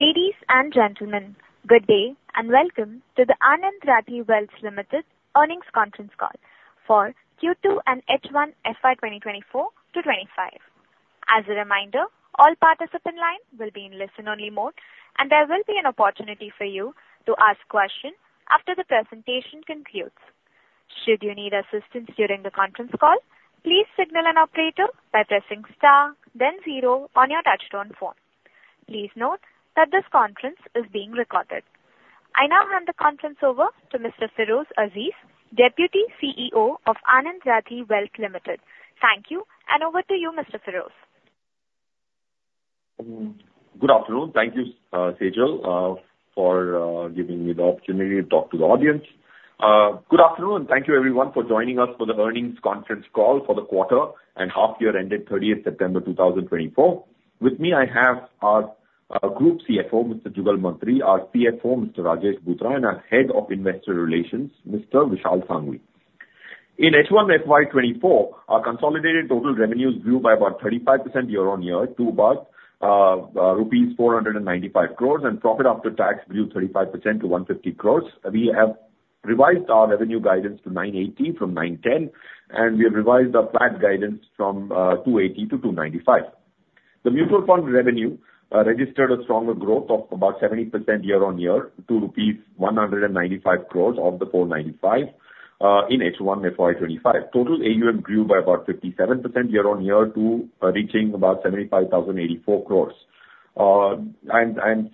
Ladies and gentlemen, good day, and welcome to the Anand Rathi Wealth Limited Earnings Conference Call for Q2 and H1 FY 2024-2025. As a reminder, all participants in line will be in listen-only mode, and there will be an opportunity for you to ask questions after the presentation concludes. Should you need assistance during the conference call, please signal an operator by pressing star then zero on your touch-tone phone. Please note that this conference is being recorded. I now hand the conference over to Mr. Feroze Azeez, Deputy CEO of Anand Rathi Wealth Limited. Thank you, and over to you, Mr. Feroze. Good afternoon. Thank you, Sejal, for giving me the opportunity to talk to the audience. Good afternoon, and thank you everyone for joining us for The Earnings Conference Call for the Quarter and Half Year ended 30th September 2024. With me, I have our Group CFO, Mr. Jugal Mantri, our CFO, Mr. Rajesh Bhutara, and our Head of Investor Relations, Mr. Vishal Sanghavi. In H1 FY 2024, our consolidated total revenues grew by about 35% year-on-year to about rupees 495 crores, and profit after tax grew 35% to 150 crores. We have revised our revenue guidance to 980 from 910, and we have revised our PAT guidance from 280-295. The mutual fund revenue registered a stronger growth of about 70% year-on-year to rupees 195 crores of the 495 in H1 FY 2025. Total AUM grew by about 57% year-on-year to reaching about 75,084 crores.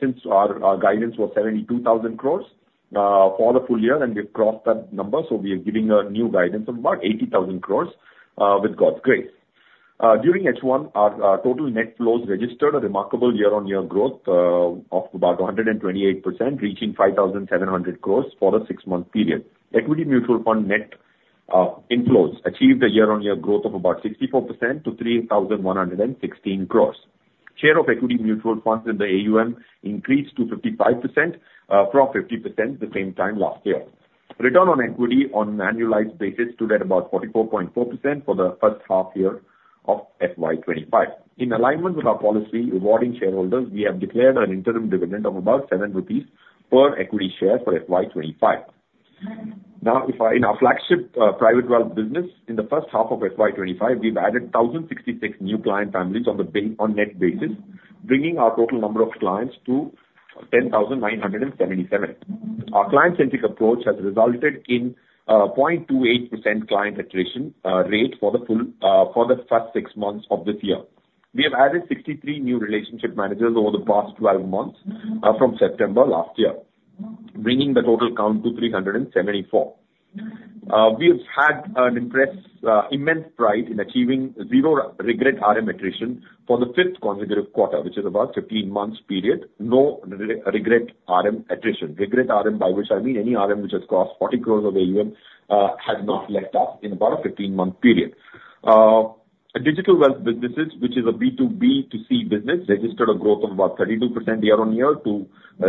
Since our guidance was 72,000 crores for the full year, and we've crossed that number, so we are giving a new guidance of about 80,000 crores with God's grace. During H1, our total net flows registered a remarkable year-on-year growth of about 128%, reaching 5,700 crores for the six-month period. Equity mutual fund net inflows achieved a year-on-year growth of about 64% to 3,116 crores. Share of equity mutual funds in the AUM increased to 55% from 50% the same time last year. Return on equity on an annualized basis stood at about 44.4% for the first half year of FY 2025. In alignment with our policy rewarding shareholders, we have declared an interim dividend of about 7 rupees per equity share for FY 2025. Now, in our flagship private wealth business, in the first half of FY 2025, we've added 1,066 new client families on net basis, bringing our total number of clients to 10,977. Our client-centric approach has resulted in 0.28% client attrition rate for the first six months of this year. We have added 63 new relationship managers over the past 12 months from September last year, bringing the total count to 374. We have had an immense pride in achieving zero regret RM attrition for the fifth consecutive quarter, which is about 15 months period. No regret RM attrition. Regret RM, by which I mean any RM which has cost 40 crores of AUM, has not left us in about a 15-month period. Our digital wealth businesses, which is a B2B2C business, registered a growth of about 32% year-on-year to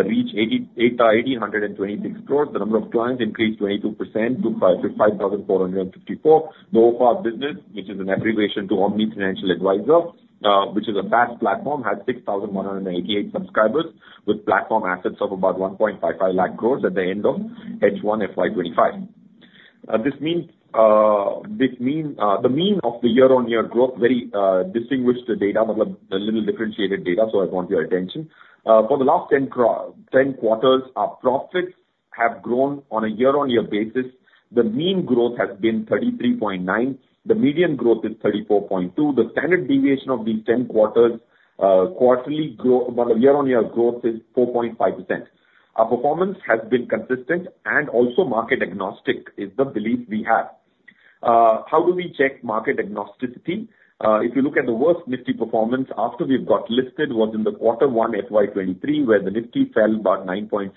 reach 8,826 crores. The number of clients increased 22% to 5,554. The OFA business, which is an abbreviation to Omni Financial Advisor, which is a PaaS platform, has 6,188 subscribers with platform assets of about 1.55 lakh crores at the end of H1 FY 2025. This means the mean of the year-on-year growth very distinguished the data, means a little differentiated data, so I want your attention. For the last 10 quarters, our profits have grown on a year-on-year basis. The mean growth has been 33.9. The median growth is 34.2. The standard deviation of these 10 quarters, year-on-year growth is 4.5%. Our performance has been consistent and also market agnostic, is the belief we have. How do we check market agnosticity? If you look at the worst Nifty 50 performance after we've got listed, was in the quarter one FY 2023, where the Nifty fell about 9.6%,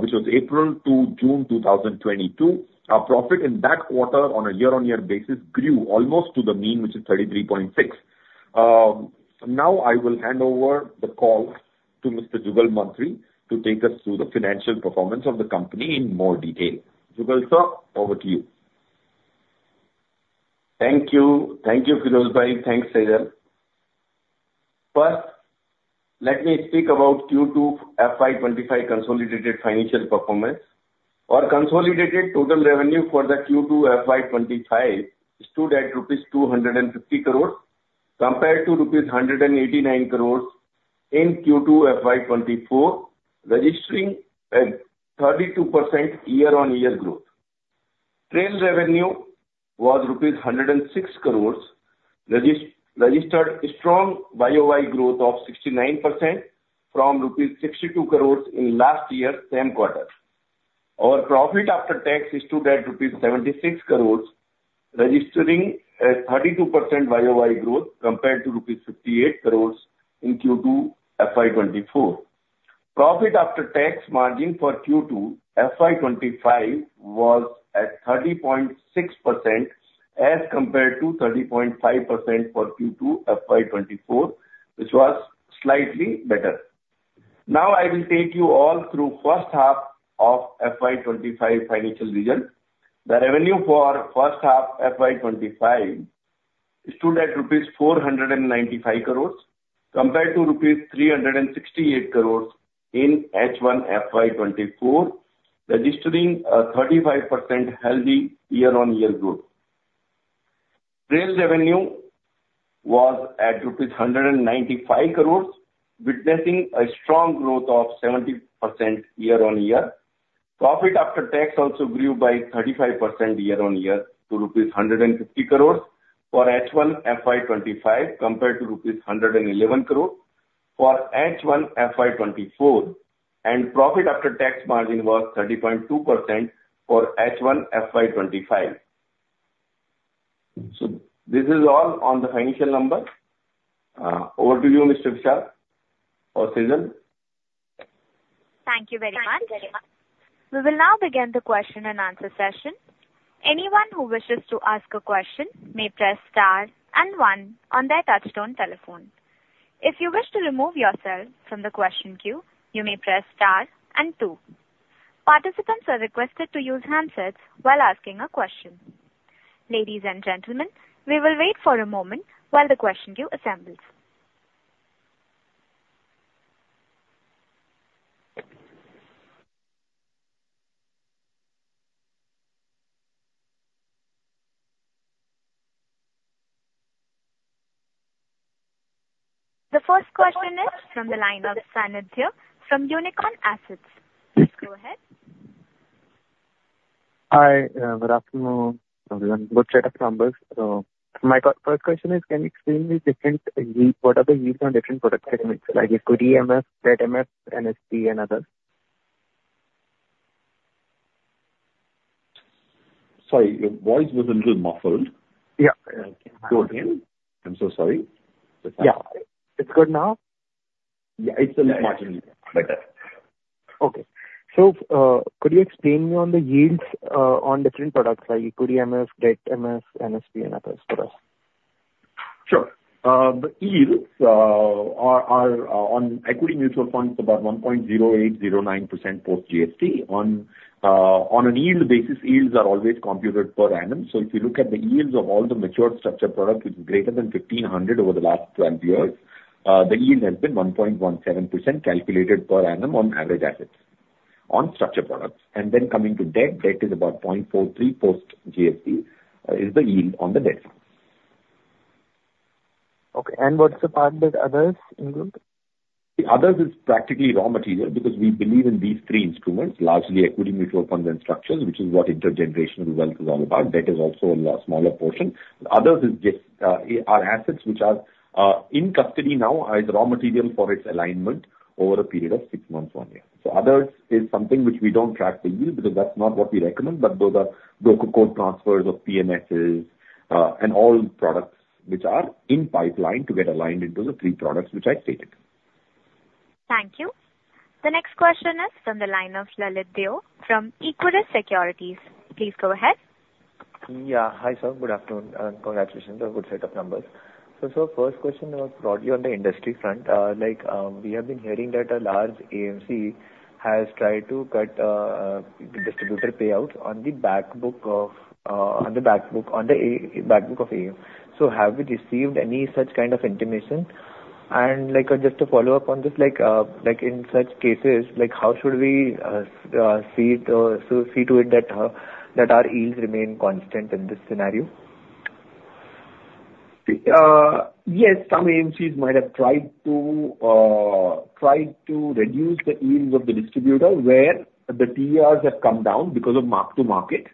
which was April to June 2022. Our profit in that quarter on a year-on-year basis grew almost to the mean, which is 33.6. Now I will hand over the call to Mr. Jugal Mantri to take us through the financial performance of the company in more detail. Jugal sir, over to you. Thank you. Thank you, Feroze bhai. Thanks, Sejal. First, let me speak about Q2 FY 2025 consolidated financial performance. Our consolidated total revenue for the Q2 FY 2025 stood at rupees 250 crores, compared to rupees 189 crores in Q2 FY 2024, registering a 32% year-on-year growth. Trail revenue was rupees 106 crores, registered strong YOY growth of 69% from rupees 62 crores in last year's same quarter. Our profit after tax stood at rupees 76 crores, registering a 32% YOY growth compared to rupees 58 crores in Q2 FY 2024. Profit after tax margin for Q2 FY 2025 was at 30.6% as compared to 30.5% for Q2 FY 2024, which was slightly better. Now, I will take you all through first half of FY 2025 financial results. The revenue for first half FY 2025-... stood at rupees 495 crores, compared to rupees 368 crores in H1 FY 2024, registering a 35% healthy year-on-year growth. trail revenue was at rupees 195 crores, witnessing a strong growth of 70% year-on-year. Profit after tax also grew by 35% year-on-year to rupees 150 crores for H1 FY 2025, compared to rupees 111 crore for H1 FY 2024, and profit after tax margin was 30.2% for H1 FY 2025. So this is all on the financial numbers. Over to you, Mr. Vishal or Sejal. Thank you very much. We will now begin the question and answer session. Anyone who wishes to ask a question may press star and one on their touchtone telephone. If you wish to remove yourself from the question queue, you may press star and two. Participants are requested to use handsets while asking a question. Ladies and gentlemen, we will wait for a moment while the question queue assembles. The first question is from the line of Sanidhya from Unicorn Assets. Please go ahead. Hi, good afternoon, everyone. Good set of numbers. My first question is, can you explain the different yields? What are the yields on different product segments, like Equity MF, Debt MF, NPS and others? Sorry, your voice was a little muffled. Yeah. Go again. I'm so sorry. Yeah. It's good now? Yeah, it's a little much better. Okay. So, could you explain me on the yields, on different products, like Equity MF, Debt MF, NPS and others for us? Sure. The yields are on equity mutual funds about 1.08, 0.9% post GST. On a yield basis, yields are always computed per annum. So if you look at the yields of all the mature structured products which is greater than 1,500 over the last 12 years, the yield has been 1.17% calculated per annum on average assets, on structured products. And then coming to debt, debt is about 0.43 post GST, is the yield on the debt funds. Okay, and what's the part that others include? The others is practically raw material, because we believe in these three instruments, largely equity, mutual funds and structures, which is what intergenerational wealth is all about. Debt is also a smaller portion. Others is just, are assets which are, in custody now, as raw material for its alignment over a period of six months, one year. So others is something which we don't track the yield, because that's not what we recommend, but those are broker code transfers of PMSs, and all products which are in pipeline to get aligned into the three products which I stated. Thank you. The next question is from the line of Lalit Deo from Equirus Securities. Please go ahead. Yeah. Hi, sir. Good afternoon, and congratulations on good set of numbers. So, sir, first question was broadly on the industry front. Like, we have been hearing that a large AMC has tried to cut the distributor payouts on the back book of AUM. So have you received any such kind of intimation? And like, just to follow up on this, like, in such cases, like, how should we see to it that our yields remain constant in this scenario? Yes, some AMCs might have tried to reduce the yields of the distributor, where the TERs have come down because of mark to market.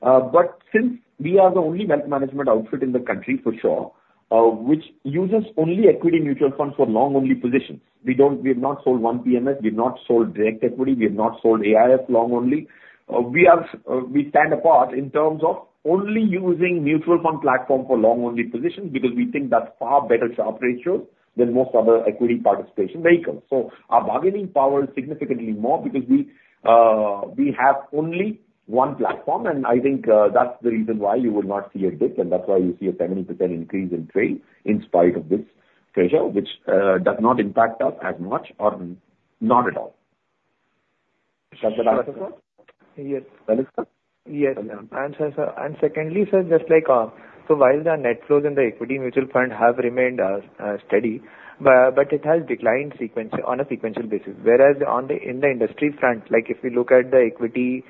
But since we are the only wealth management outfit in the country, for sure, which uses only equity mutual funds for long only positions, we don't. We have not sold one PMS, we have not sold direct equity, we have not sold AIF long only. We are, we stand apart in terms of only using mutual fund platform for long only positions, because we think that's far better Sharpe ratio than most other equity participation vehicles. So our bargaining power is significantly more because we have only one platform, and I think that's the reason why you will not see a dip, and that's why you see a 70% increase in trail in spite of this pressure, which does not impact us as much or not at all. Does that answer? Yes. That's it, sir? Yes. And, sir, and secondly, sir, just like, so while the net flows in the equity mutual fund have remained steady, but it has declined on a sequential basis, whereas in the industry front, like if we look at the equity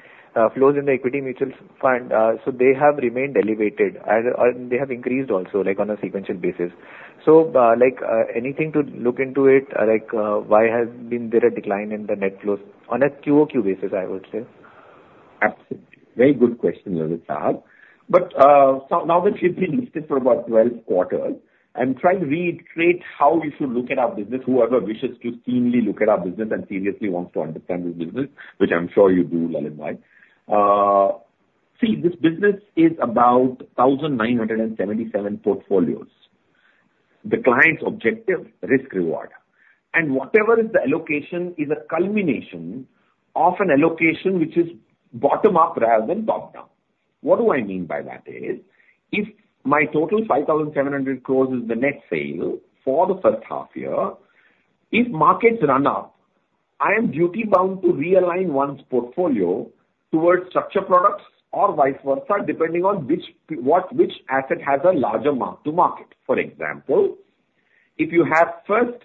flows in the equity mutual fund, so they have remained elevated and they have increased also, like, on a sequential basis. So, like, anything to look into it, like, why has been there a decline in the net flows on a QOQ basis, I would say? Absolutely. Very good question, Lalit Sahab. So now that we've been listed for about 12 quarters, I'm trying to reiterate how you should look at our business, whoever wishes to keenly look at our business and seriously wants to understand this business, which I'm sure you do, Lalit. See, this business is about 1,977 portfolios. The client's objective? Risk reward. Whatever is the allocation is a culmination of an allocation which is bottom up rather than top down. What do I mean by that is, if my total 5,700 crores is the net sale for the first half year, if markets run up, I am duty bound to realign one's portfolio towards structured products or vice versa, depending on which asset has a larger mark to market. For example, if you have first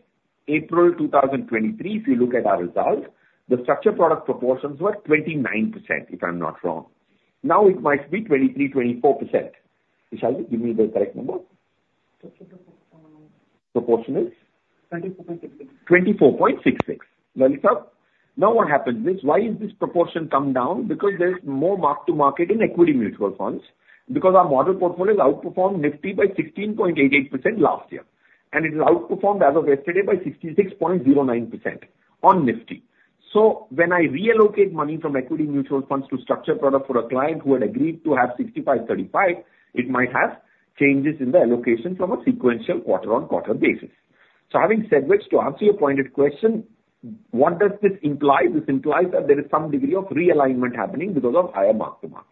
April 2023, if you look at our results, the structured product proportions were 29%, if I'm not wrong. Now it might be 23%-24%. Vishal, give me the correct number. 24.6 Proportion is? 24.66. 24.66. Lalit sir, now what happens is, why is this proportion come down? Because there's more mark-to-market in equity mutual funds, because our model portfolios outperformed Nifty by 16.88% last year, and it has outperformed as of yesterday by 66.09% on Nifty. So when I reallocate money from equity mutual funds to structured product for a client who had agreed to have 65-35, it might have changes in the allocation from a sequential quarter-on-quarter basis. So having said which, to answer your pointed question, what does this imply? This implies that there is some degree of realignment happening because of higher mark-to-market.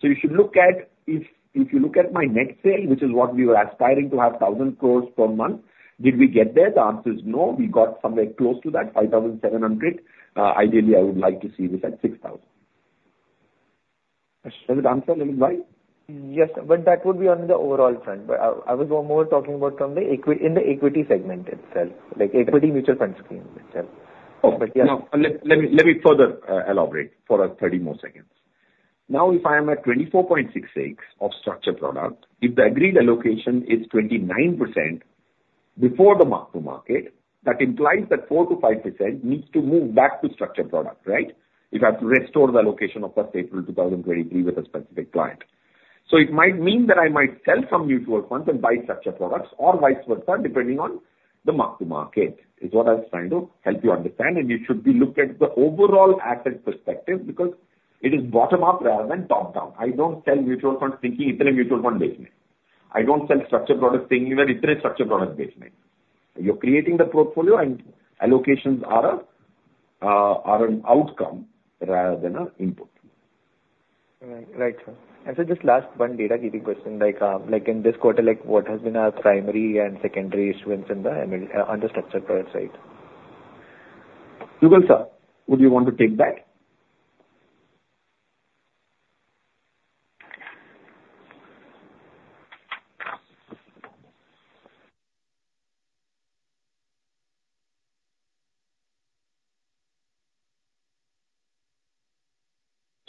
So you should look at, if you look at my net sale, which is what we were aspiring to have 1,000 crores per month, did we get there? The answer is no. We got somewhere close to that, five thousand seven hundred. Ideally, I would like to see this at six thousand. Does it answer, Lalit Bhai? Yes, sir, but that would be on the overall trend, but I was more talking about from the equity segment itself, like Equity Mutual Funds scheme itself. Oh, no, let me further elaborate for 30 more seconds. Now, if I am at 24.66 of structured products, if the agreed allocation is 29% before the mark to market, that implies that 4%-5% needs to move back to structured products, right? If I have to restore the allocation of first April 2023 with a specific client. So it might mean that I might sell some mutual funds and buy structured products or vice versa, depending on the mark to market, is what I was trying to help you understand, and it should be looked at the overall asset perspective because it is bottom up rather than top down. I don't sell mutual funds thinking it's only mutual fund business. I don't sell structured products thinking that it's only structured product business. You're creating the portfolio and allocations are an outcome rather than an input. Right. Right, sir. And sir, just last one data giving question, like, like in this quarter, like what has been our primary and secondary issuance in the MLD, under structured product side? Jugal sir, would you want to take that?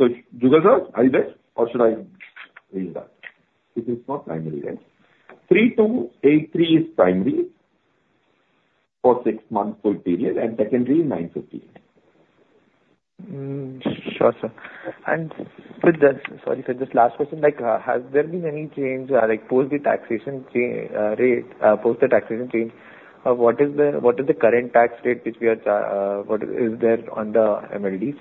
So Jugal sir, are you there, or should I read that? It is not primary, right. Three two eight three is primary for six month full period, and secondary is 950. Mm, sure, sir. And with that, sorry, sir, just last question, like, has there been any change, like post the taxation change, what is the current tax rate, what is there on the MLDs?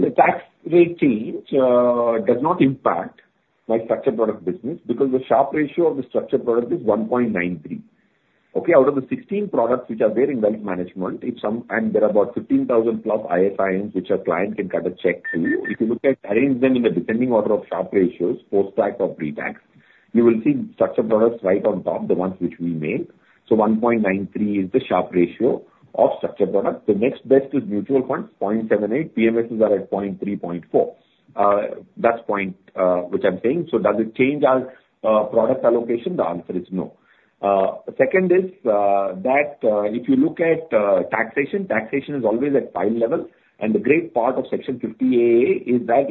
See, the tax rate change does not impact my structured product business, because the Sharpe ratio of the structured product is 1.93. Okay? Out of the 16 products which are there in wealth management, if some, and there are about 15,000+ IFIs, which a client can cut a check through. If you look at arrange them in a descending order of Sharpe ratios, post-tax or pre-tax, you will see structured products right on top, the ones which we make. So 1.93 is the Sharpe ratio of structured products. The next best is mutual funds, 0.78. PMSs are at 0.3, 0.4. That's point, which I'm saying. So does it change our product allocation? The answer is no. Second is, that if you look at taxation, taxation is always at family level, and the great part of Section 50AA is that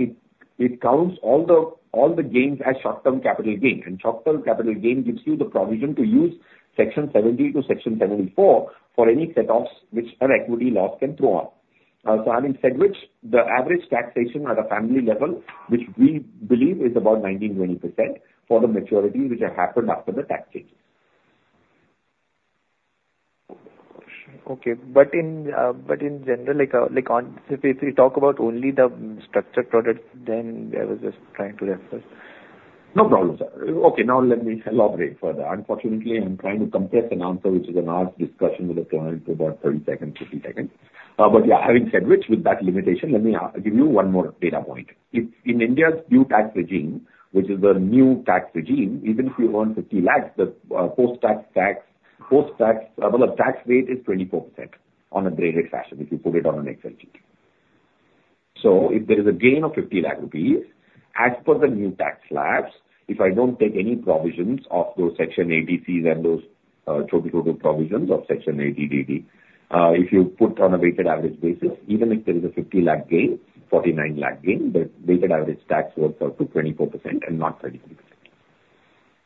it counts all the gains as short-term capital gain, and short-term capital gain gives you the provision to use Section 70-Section 74 for any setoffs which an equity loss can throw up. So having said which, the average taxation at a family level, which we believe is about 19-20% for the maturity which have happened after the tax changes. Okay. But in general, like on, if we talk about only the structured product, then I was just trying to refer. No problem, sir. Okay, now let me elaborate further. Unfortunately, I'm trying to compress an answer which is an hour's discussion with a client to about 30 seconds, 50 seconds. But yeah, having said which, with that limitation, let me give you one more data point. If in India's new tax regime, which is the new tax regime, even if you earn 50 lakhs, the post-tax, well, the tax rate is 24% on a graded fashion, if you put it on an excel sheet. So if there is a gain of 50 lakh rupees, as per the new tax slabs, if I don't take any provisions of those Section 80C's and those total provisions of Section 80DD, if you put on a weighted average basis, even if there is a 50 lakh gain, 49 lakh gain, the weighted average tax works out to 24% and not 33%.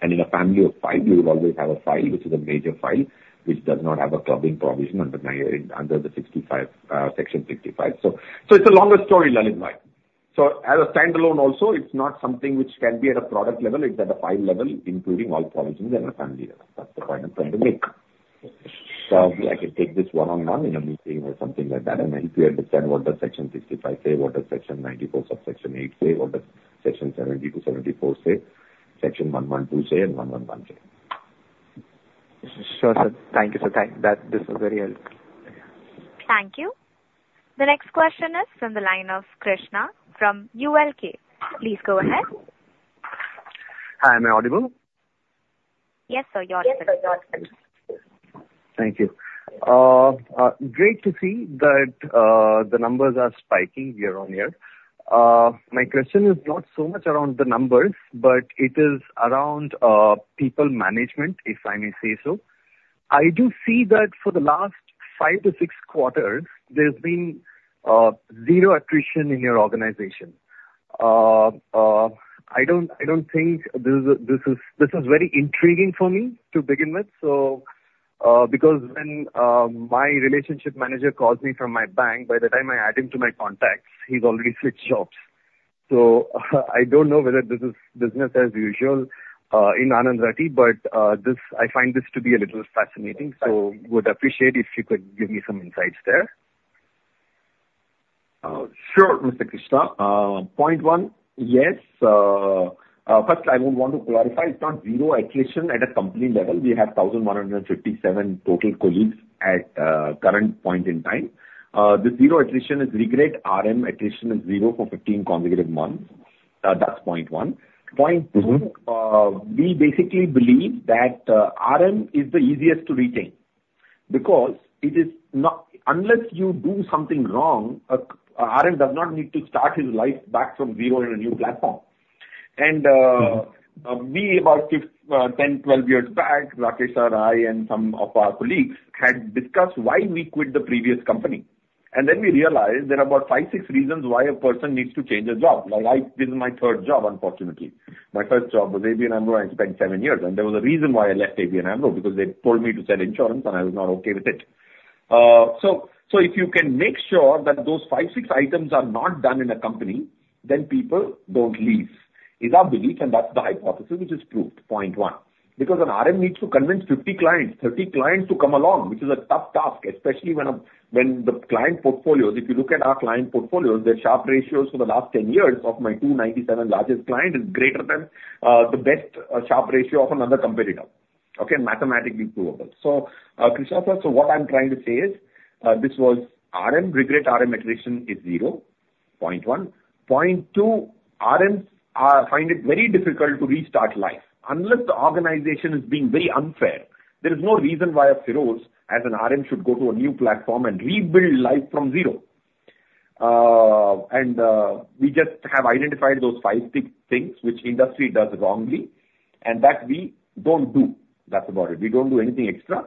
And in a family of five, you will always have an HUF, which is a major HUF, which does not have a clubbing provision under nine, under the Section 65. So it's a longer story, Lalit Bhai. So as a standalone also, it's not something which can be at a product level, it's at an HUF level, including all provisions in the family. That's the point I'm trying to make. Okay. I can take this one-on-one in a meeting or something like that, and help you understand what does Section 65 say, what does Section 94(8) say, what does Section 70 to 74 say, Section 112 say, and 111 say. Sure, sir. Thank you, sir. That this is very helpful. Thank you. The next question is from the line of Krishna from ULK. Please go ahead.... Hi, am I audible? Yes, sir, you are audible. Thank you. Great to see that the numbers are spiking year on year. My question is not so much around the numbers, but it is around people management, if I may say so. I do see that for the last five to six quarters, there's been zero attrition in your organization. I don't think this is very intriguing for me to begin with, so because when my relationship manager calls me from my bank, by the time I add him to my contacts, he's already switched jobs. So I don't know whether this is business as usual in Anand Rathi, but I find this to be a little fascinating, so would appreciate if you could give me some insights there. Sure, Mr. Krishna. Point one, yes. First I would want to clarify, it's not zero attrition at a company level. We have 1,157 total colleagues at current point in time. The zero attrition is registered RM attrition is zero for 15 consecutive months. That's point one. Mm-hmm. Point two, we basically believe that RM is the easiest to retain because it is not... Unless you do something wrong, a RM does not need to start his life back from zero in a new platform. And Mm-hmm. We about six, 10, 12 years back, Rakesh, Sir, I, and some of our colleagues had discussed why we quit the previous company, and then we realized there are about five, six reasons why a person needs to change a job. Now, I, this is my third job, unfortunately. My first job was ABN AMRO. I spent seven years, and there was a reason why I left ABN AMRO, because they told me to sell insurance, and I was not okay with it. So, if you can make sure that those five, six items are not done in a company, then people don't leave, is our belief, and that's the hypothesis which is proved, point one. Because an RM needs to convince 50 clients, 30 clients to come along, which is a tough task, especially when the client portfolios, if you look at our client portfolios, their Sharpe ratios for the last 10 years of my 297 largest client is greater than the best Sharpe ratio of another competitor, okay? Mathematically provable. So, Krishna, so what I'm trying to say is, this was RM. Regret RM attrition is zero point one. Point two, RMs find it very difficult to restart life. Unless the organization is being very unfair, there is no reason why Feroze, as an RM, should go to a new platform and rebuild life from zero. And we just have identified those five, six things which industry does wrongly and that we don't do. That's about it. We don't do anything extra.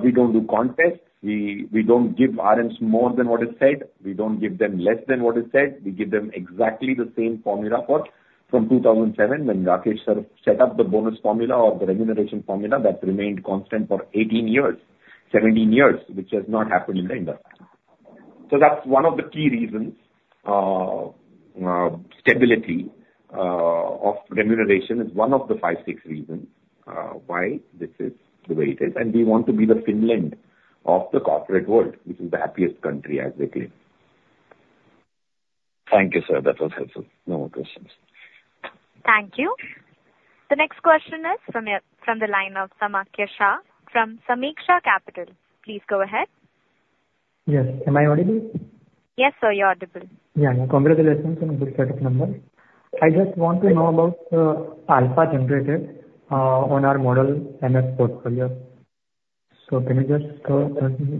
We don't do contests. We don't give RMs more than what is said. We don't give them less than what is said. We give them exactly the same formula from 2007, when Rakesh Sir set up the bonus formula or the remuneration formula, that remained constant for 18 years, 17 years, which has not happened in the industry. So that's one of the key reasons, stability of remuneration is one of the five, six reasons, why this is the way it is. We want to be the Finland of the corporate world, which is the happiest country as they claim. Thank you, sir. That's all, sir. No more questions. Thank you. The next question is from the line of Samyak Shah, from Sameeksha Capital. Please go ahead. Yes. Am I audible? Yes, sir, you're audible. Yeah, congratulations on the static number. I just want to know about alpha generated on our model PMS portfolio. So can you just throw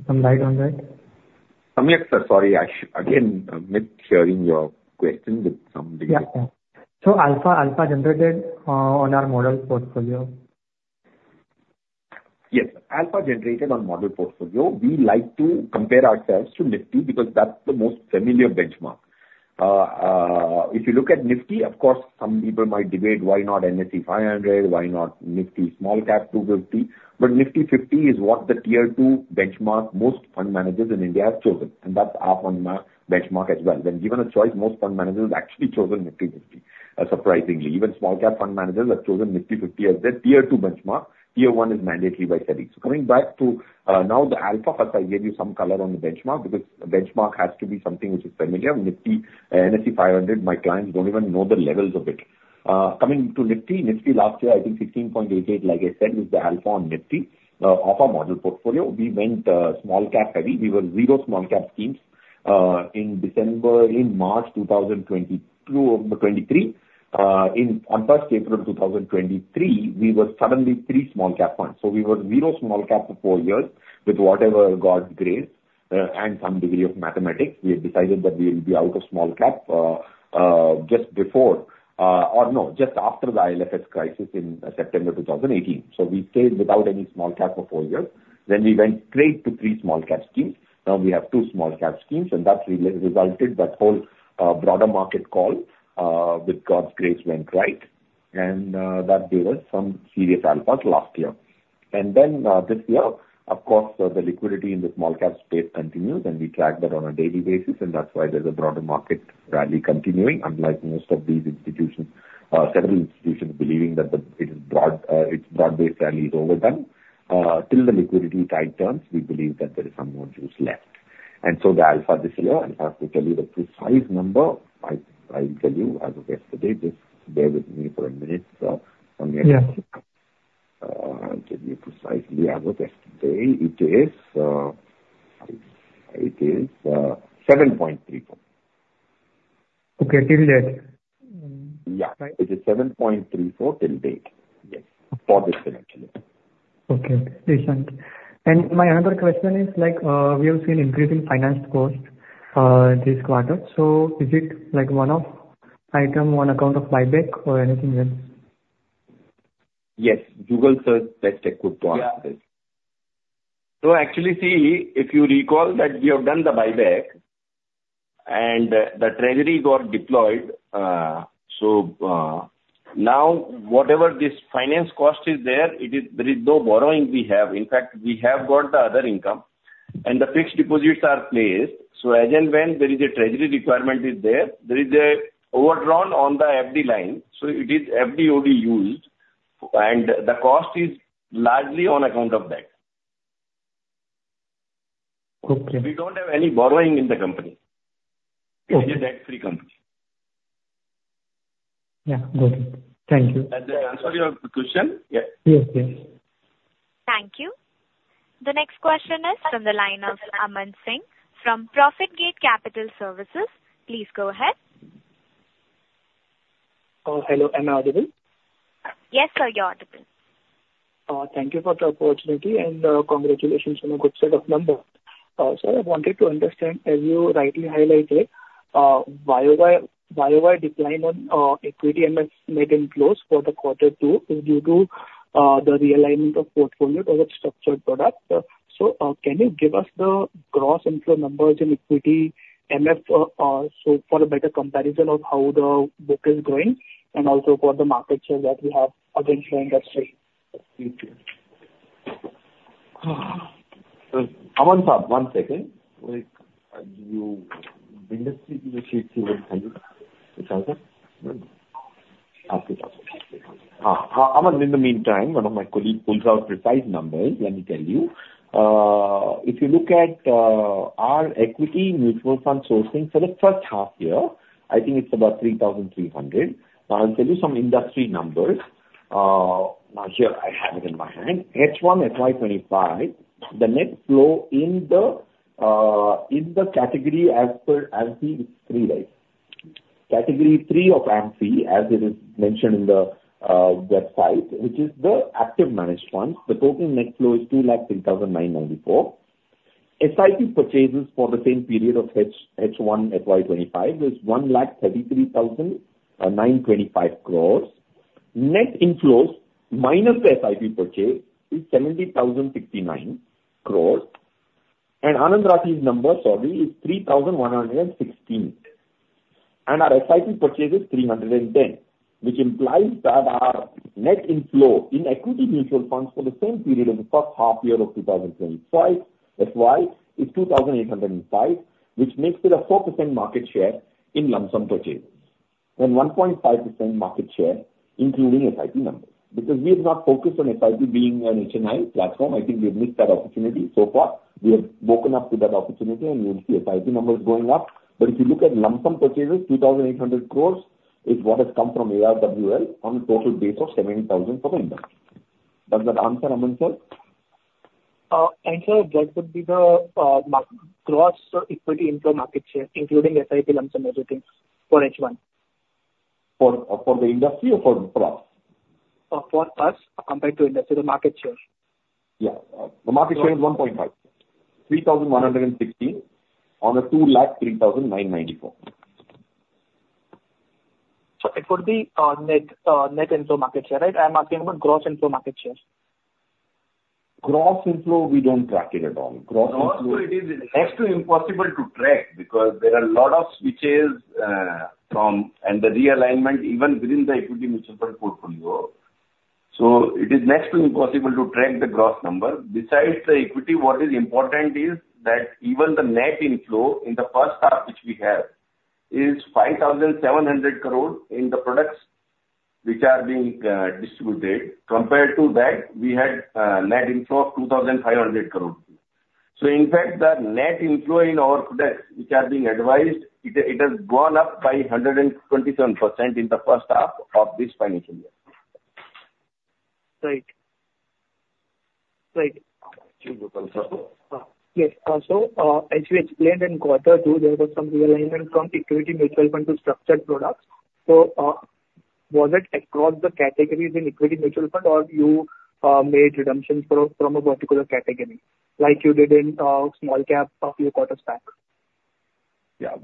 some light on that? Samyak Sir, sorry, again, I'm not hearing your question with some detail. Yeah. So alpha, alpha generated on our models portfolio. Yes, alpha generated on model portfolio, we like to compare ourselves to Nifty because that's the most familiar benchmark. If you look at Nifty, of course, some people might debate, "Why not Nifty 500? Why not Nifty Smallcap 250?" But Nifty 50 is what the tier two benchmark most fund managers in India have chosen, and that's our benchmark as well. When given a choice, most fund managers actually have chosen Nifty 50, surprisingly. Even small cap fund managers have chosen Nifty 50 as their tier two benchmark. Tier one is mandated by SEBI. So coming back to now the alpha, first, I gave you some color on the benchmark, because benchmark has to be something which is familiar. Nifty, Nifty 500, my clients don't even know the levels of it. Coming to Nifty, Nifty last year, I think 16.88, like I said, is the alpha on Nifty of our model portfolio. We went small cap heavy. We were zero small cap schemes in December. In March 2022, 2023. On first April 2023, we were suddenly three small cap funds. So we were zero small cap for four years with whatever God's grace and some degree of mathematics, we had decided that we will be out of small cap just before, or no, just after the IL&FS crisis in September 2018. So we stayed without any small cap for four years, then we went straight to three small cap schemes. Now we have two small cap schemes, and that resulted, that whole broader market call, with God's grace went right, and that gave us some serious alphas last year. And then this year, of course, the liquidity in the small cap space continues, and we track that on a daily basis, and that's why there's a broader market rally continuing, unlike most of these institutions, several institutions believing that its broad-based rally is overdone. Till the liquidity tide turns, we believe that there is some more juice left. And so the alpha this year, I'll have to tell you the precise number, I will tell you as of yesterday, just bear with me for a minute, Samyak. Yeah.... I'll tell you precisely as of yesterday, it is seven point three four. Okay, till date? Yeah. Right. It is 7.34 to date. Yes. For this quarter. Okay, okay. Listen, and my another question is like, we have seen increasing finance cost, this quarter, so is it like one-off item on account of buyback or anything else? Yes. Google search, that's a good point. Yeah. So actually, see, if you recall that we have done the buyback and the treasury got deployed. So now whatever this finance cost is there, it is; there is no borrowing we have. In fact, we have got the other income, and the fixed deposits are placed, so as and when there is a treasury requirement is there, there is a overdrawn on the FD line, so it is FD only used, and the cost is largely on account of that. Okay. We don't have any borrowing in the company. Okay. We are a debt-free company. Yeah, good. Thank you. Has that answered your question? Yeah. Yes, yes. Thank you. The next question is from the line of Aman Singh from Profit Mart Securities. Please go ahead. Hello, am I audible? Yes, sir, you're audible. Thank you for the opportunity, and, congratulations on a good set of numbers. So I wanted to understand, as you rightly highlighted, year-over-year decline on equity MF net inflows for quarter two is due to the realignment of portfolio towards structured products. So, can you give us the gross inflow numbers in equity MF, so for a better comparison of how the book is growing, and also for the market share that we have of the industry? Aman sir, one second. Like, you in the industry. Aman, in the meantime, one of my colleague pulls out precise numbers, let me tell you. If you look at our Equity Mutual Fund sourcing for the first half year, I think it's about 3,300. I'll tell you some industry numbers. Now, here I have it in my hand. H1, FY 2025, the net flow in the category as per AMFI is three, right? Category three of AMFI, as it is mentioned in the website, which is the active managed funds. The total net flow is 2 lakh 3,094. SIP purchases for the same period of H1, FY 2025 is 1 lakh 33,925 crores. Net inflows minus the SIP purchase is 70,069 crores. Anand Rathi's number, sorry, is 3,116, and our SIP purchase is 310. Which implies that our net inflow in equity mutual funds for the same period in the first half year of 2025, FY, is 2,805, which makes it a 4% market share in lump sum purchases, and 1.5% market share, including SIP numbers. Because we have not focused on SIP being an HNI platform, I think we have missed that opportunity so far. We have woken up to that opportunity, and you'll see SIP numbers going up. But if you look at lump sum purchases, 2,800 crores is what has come from ARWL on a total base of 17,000 for the industry. Does that answer, Aman sir? and sir, that would be the market gross equity inflow market share, including SIP, lump sum, and everything for H1? For the industry or for us? For us compared to industry, the market share. Yeah. The market share is 1.5. 3,116 on a 203,994. So it would be net inflow market share, right? I'm asking about gross inflow market share. Gross inflow, we don't track it at all. Gross flow it is-... next to impossible to track because there are a lot of switches, from, and the realignment even within the equity mutual fund portfolio. So it is next to impossible to track the gross number. Besides the equity, what is important is that even the net inflow in the first half, which we have, is 5,700 crore in the products which are being distributed. Compared to that, we had net inflow of 2,500 crore. So in fact, the net inflow in our products which are being advised, it has, it has gone up by 127% in the first half of this financial year. Right. Right. Thank you, Gopal sir. Yes. So, as you explained in quarter two, there was some realignment from equity mutual fund to structured products. So, was it across the categories in equity mutual fund, or you made redemptions from a particular category, like you did in small cap a few quarters back? Yeah,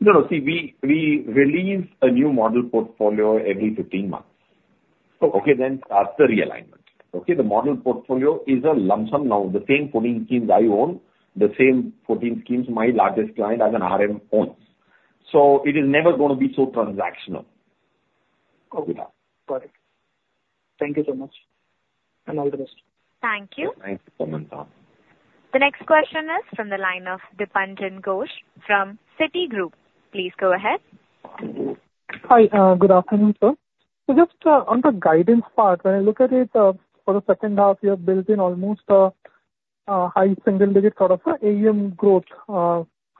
no, no. See, we release a new model portfolio every15 months. Okay. Okay, then that's the realignment. Okay? The model portfolio is a lump sum now. The same 14 schemes I own, the same 14 schemes my largest client as an RM owns. So it is never gonna be so transactional. Okay, got it. Thank you so much, and all the best. Thank you. Thanks, Aman sir. The next question is from the line of Dipanjan Ghosh from Citigroup. Please go ahead. Hi. Good afternoon, sir. So just, on the guidance part, when I look at it, for the second half, you have built in almost, a high single digit sort of, AUM growth,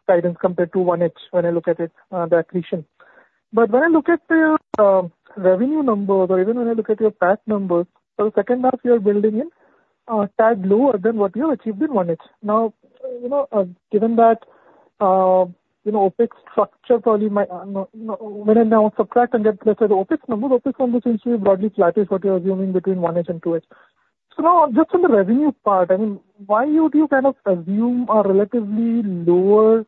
guidance compared to 1H, when I look at it, the accretion. But when I look at your, revenue numbers, or even when I look at your PAT numbers, for the second half, you are building in, tad lower than what you have achieved in 1H. Now, you know, given that, you know, OpEx structure probably might, when I now subtract and get less than OpEx numbers, OpEx numbers seems to be broadly flat is what you're assuming between 1H and 2H. So now, just on the revenue part, I mean, why would you kind of assume a relatively lower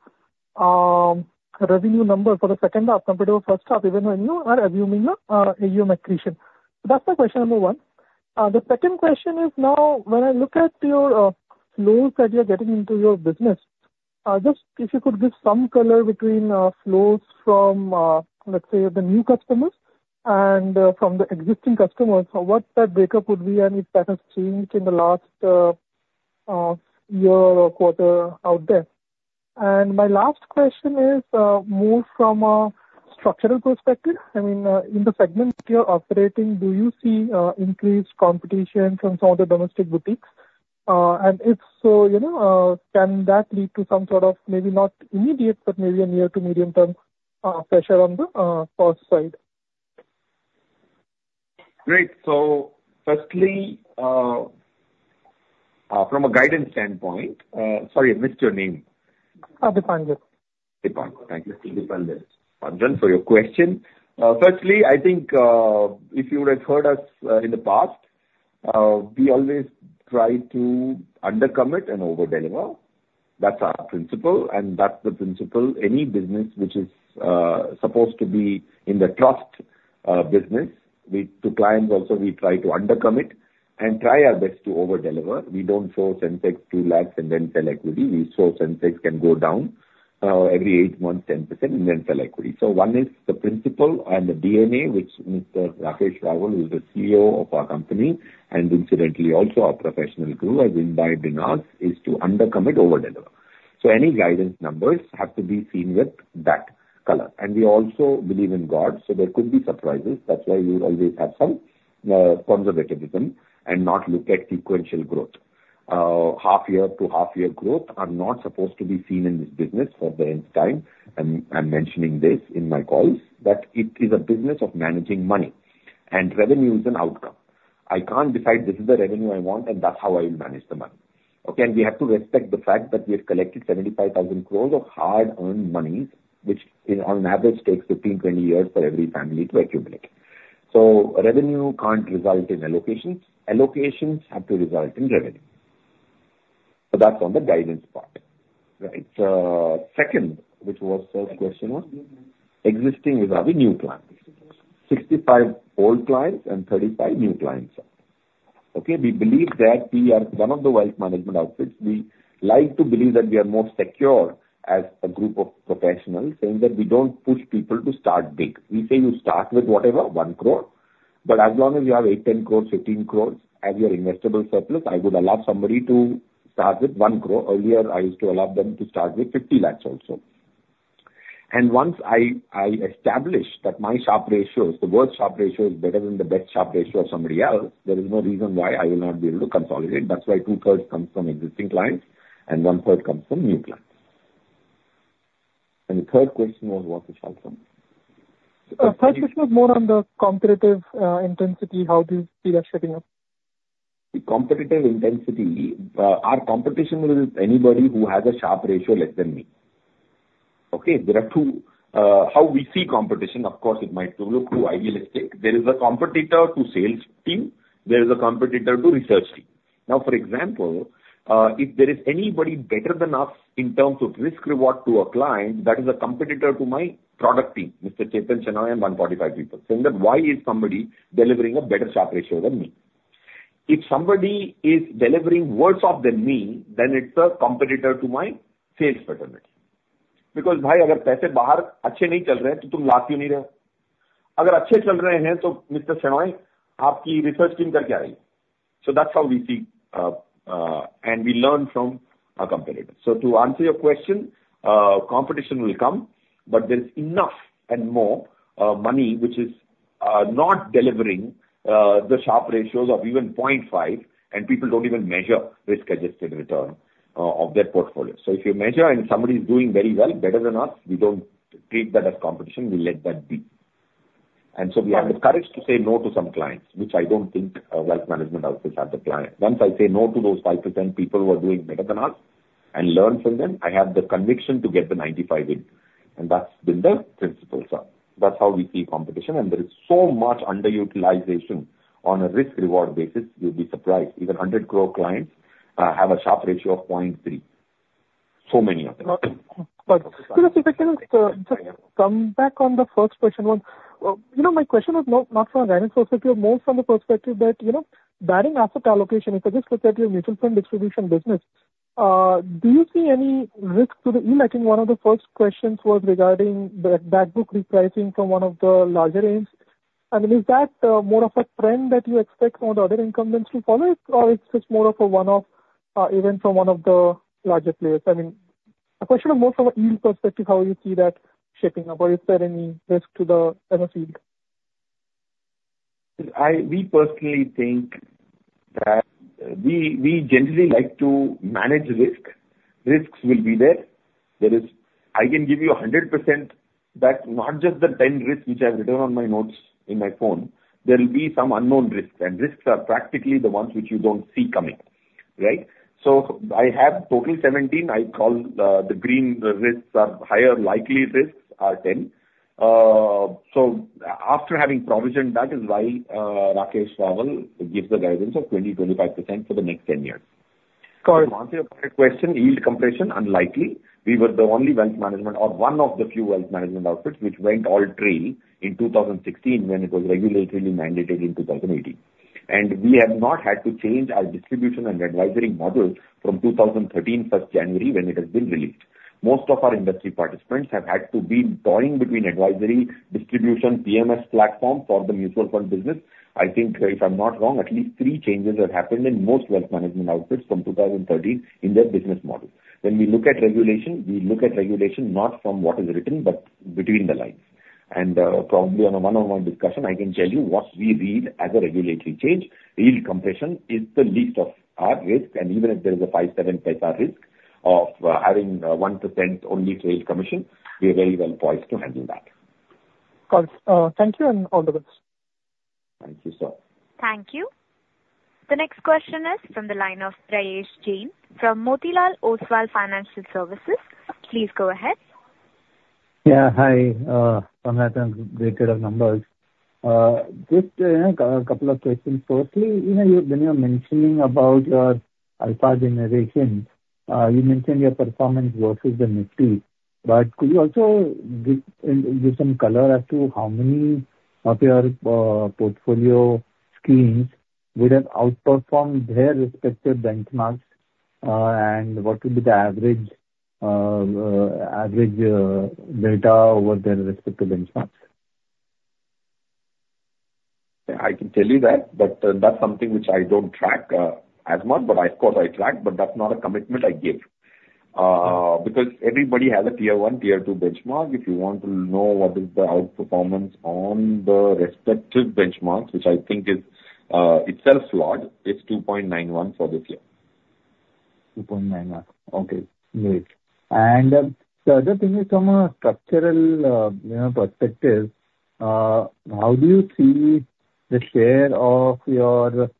revenue number for the second half compared to your first half, even when you are assuming a AUM accretion? That's my question number one. The second question is now, when I look at your flows that you're getting into your business, just if you could give some color between flows from, let's say, the new customers and from the existing customers, so what that breakup would be and if that has changed in the last year or quarter out there? And my last question is more from a structural perspective. I mean, in the segment you're operating, do you see increased competition from some of the domestic boutiques? and if so, you know, can that lead to some sort of maybe not immediate, but maybe a near to medium-term pressure on the cost side? Great. So firstly, from a guidance standpoint, sorry, I missed your name. Uh, Dipanjit. Dipanjan. Thank you, Dipanjan, for your question. Firstly, I think, if you would have heard us in the past, we always try to undercommit and overdeliver. That's our principle, and that's the principle any business which is supposed to be in the trust business. We, to clients also, we try to undercommit and try our best to overdeliver. We don't show Sensex 2 lakhs and then sell equity. We show Sensex can go down every eight months, 10%, and then sell equity. So one is the principle and the DNA, which Mr. Rakesh Rawal, who is the CEO of our company, and incidentally also our professional guru, as in business, is to undercommit, overdeliver. So any guidance numbers have to be seen with that color, and we also believe in God, so there could be surprises. That's why we always have some conservatism and not look at sequential growth. Half year to half year growth are not supposed to be seen in this business for the nth time. And I'm mentioning this in my calls, that it is a business of managing money, and revenue is an outcome. I can't decide this is the revenue I want, and that's how I will manage the money. Okay, and we have to respect the fact that we have collected 75,000 crores of hard-earned money, which on average takes 15-20 years for every family to accumulate. So revenue can't result in allocations. Allocations have to result in revenue. So that's on the guidance part. Right. Second, which was, third question was? Existing clients. Existing is having new clients. 65 old clients and 35 new clients, okay? We believe that we are one of the wealth management outfits. We like to believe that we are more secure as a group of professionals, saying that we don't push people to start big. We say you start with whatever, one crore, but as long as you have 8, 10 crores, 15 crores as your investable surplus, I would allow somebody to start with one crore. Earlier, I used to allow them to start with 50 lakhs also. And once I establish that my Sharpe ratios, the worst Sharpe ratio is better than the best Sharpe ratio of somebody else, there is no reason why I will not be able to consolidate. That's why two-thirds comes from existing clients and one-third comes from new clients. And the third question was, what was the third one? Third question was more on the competitive intensity, how do you see that shaping up? The competitive intensity. Our competition is anybody who has a Sharpe ratio less than me. Okay, there are two, how we see competition, of course, it might look too idealistic. There is a competitor to sales team, there is a competitor to research team. Now, for example, if there is anybody better than us in terms of risk reward to a client, that is a competitor to my product team, Mr. Chetan Shenoy and 145 people. Saying that, "Why is somebody delivering a better Sharpe ratio than me?" If somebody is delivering worse off than me, then it's a competitor to my sales fraternity. Because, bhai, agar paise bahar achhe nahi chal rahe hain toh tum la kyun nahi rahe? Agar achhe chal rahe hain toh, Mr. Shenoy, aapki research team kya kar rahi hai? So that's how we see, and we learn from our competitors. So to answer your question, competition will come, but there is enough and more, money, which is, not delivering, the Sharpe ratios of even 0.5, and people don't even measure risk-adjusted return, of their portfolio. So if you measure and somebody's doing very well, better than us, we don't treat that as competition. We let that be. And so we have the courage to say no to some clients, which I don't think, wealth management outfits have the client. Once I say no to those 5% people who are doing better than us and learn from them, I have the conviction to get the 95 in, and that's been the principle, sir. That's how we see competition. There is so much underutilization on a risk/reward basis. You'll be surprised. Even 100 crore clients have a Sharpe ratio of point three. So many of them. But, sir, if I can just come back on the first question one. You know, my question was not from a guidance perspective, more from the perspective that, you know, barring asset allocation, if I just look at your mutual fund distribution business, do you see any risk to the yield? I think one of the first questions was regarding the back book repricing from one of the larger AMCs. I mean, is that more of a trend that you expect all the other incumbents to follow, or it's just more of a one-off event from one of the larger players? I mean, the question is more from a yield perspective, how you see that shaping up, or is there any risk to the MF yield?... I, we personally think that, we generally like to manage risk. Risks will be there. There is. I can give you 100% that not just the ten risks which I have written on my notes in my phone, there will be some unknown risks, and risks are practically the ones which you don't see coming, right? So I have total 17. I call, the green risks are higher likely risks are 10. So after having provisioned that is why, Rakesh Rawal gives the guidance of 20-25% for the next 10 years. Got it. To answer your question, yield compression unlikely. We were the only wealth management or one of the few wealth management outfits which went all trail in 2016, when it was regulatorily mandated in 2018. And we have not had to change our distribution and advisory model from 2013, January 1, when it has been released. Most of our industry participants have had to be toying between advisory, distribution, PMS platform for the mutual fund business. I think if I'm not wrong, at least three changes have happened in most wealth management outfits from 2013 in their business model. When we look at regulation, we look at regulation not from what is written, but between the lines. And, probably on a one-on-one discussion, I can tell you what we read as a regulatory change. Yield compression is the least of our risks, and even if there is a five-seven paisa risk of having 1% only trade commission, we are very well poised to handle that. Got it. Thank you, and all the best. Thank you, sir. Thank you. The next question is from the line of Prayesh Jain from Motilal Oswal Financial Services. Please go ahead. Yeah, hi, congratulations on the great set of numbers. Just a couple of questions. Firstly, you know, you've been mentioning about your alpha generation. You mentioned your performance versus the Nifty, but could you also give some color as to how many of your portfolio schemes would have outperformed their respective benchmarks, and what would be the average beta over their respective benchmarks? I can tell you that, but that's something which I don't track as much, but of course, I track, but that's not a commitment I give. Because everybody has a tier one, tier two benchmark. If you want to know what is the outperformance on the respective benchmarks, which I think is itself flawed, it's two point nine one for this year. 2.91. Okay, great. And the other thing is from a structural, you know, perspective, how do you see the share of your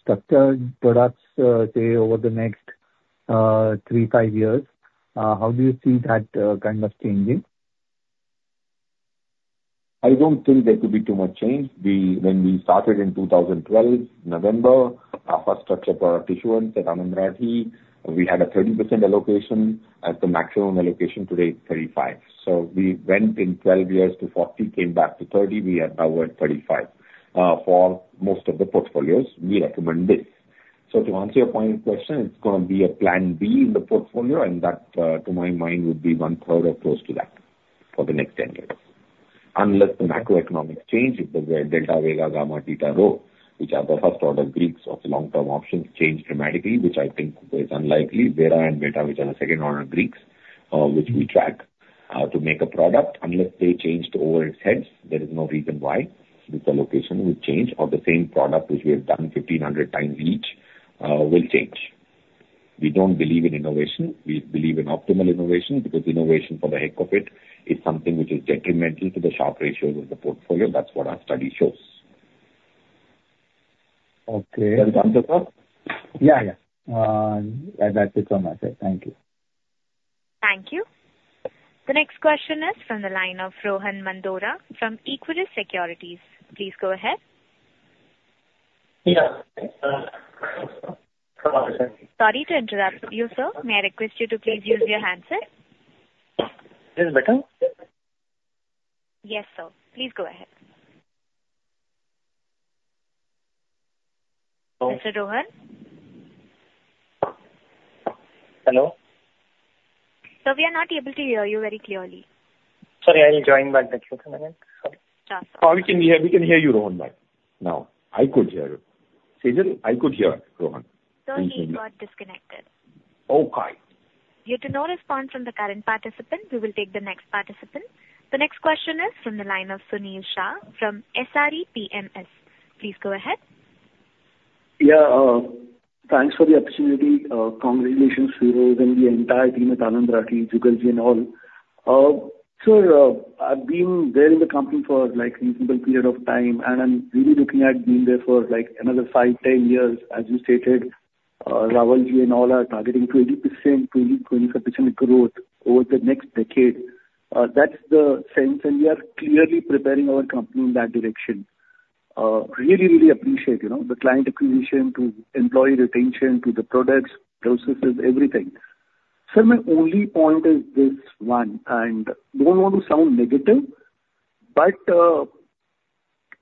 structured products, say, over the next three, five years? How do you see that kind of changing? I don't think there could be too much change. When we started in two thousand and twelve, November, our first structured product issuance at Anand Rathi, we had a 30% allocation. At the maximum allocation today, it's 35. So we went in 12 years to 40, came back to 30, we are now at 35. For most of the portfolios, we recommend this. So to answer your final question, it's gonna be a plan B in the portfolio, and that, to my mind, would be one third or close to that for the next 10 years. Unless the macroeconomics change, if the delta, vega, gamma, theta, rho, which are the first order Greeks of the long-term options, change dramatically, which I think is unlikely. Vega and beta, which are the second order Greeks, which we track, to make a product, unless they changed over its heads, there is no reason why this allocation would change, or the same product, which we have done 1,500x each, will change. We don't believe in innovation. We believe in optimal innovation, because innovation for the heck of it is something which is detrimental to the Sharpe ratios of the portfolio. That's what our study shows. Okay. Does that answer help? Yeah, yeah. That's it from my side. Thank you. Thank you. The next question is from the line of Rohan Mandora from Equirus Securities. Please go ahead. Yeah, uh... Sorry to interrupt you, sir. May I request you to please use your handset? Yes, madam. Yes, sir. Please go ahead. Mr. Rohan? Hello? Sir, we are not able to hear you very clearly. Sorry, I will join back. Thank you for a minute. Sorry. We can hear, we can hear you, Rohan, now. I could hear you. Sejal, I could hear Rohan. Sir, he got disconnected. Oh, hi. Due to no response from the current participant, we will take the next participant. The next question is from the line of Sunil Shah from SRE PMS. Please go ahead. Yeah, thanks for the opportunity. Congratulations, Feroze, and the entire team at Anand Rathi, Jugal and all. So, I've been there in the company for, like, a reasonable period of time, and I'm really looking at being there for, like, another five, ten years. As you stated, Rawalji and all are targeting 20%-25% growth over the next decade. That's the sense, and we are clearly preparing our company in that direction. Really, really appreciate, you know, the client acquisition, to employee retention, to the products, processes, everything. So my only point is this one, and don't want to sound negative, but,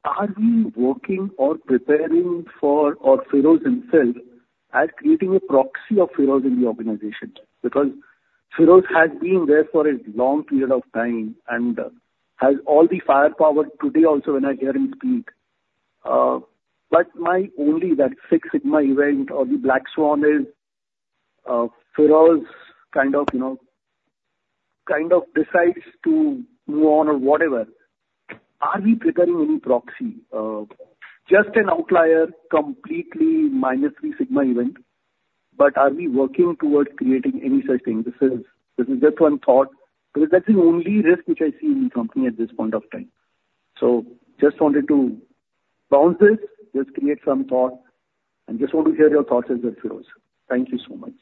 are we working or preparing for, or Feroze himself, as creating a proxy of Feroze in the organization? Because Feroze has been there for a long period of time and has all the firepower today also when I hear him speak. But my only that six sigma event or the black swan is, Feroze kind of decides to move on or whatever, are we preparing any proxy? Just an outlier, completely minus three sigma event, but are we working towards creating any such thing? This is just one thought, because that's the only risk which I see in the company at this point of time. So just wanted to bounce this, just create some thought, and just want to hear your thoughts as it goes. Thank you so much.